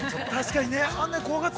◆確かにね。